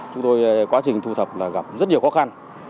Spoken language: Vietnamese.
chúng tôi quá trình thu thập là gặp rất nhiều khó khăn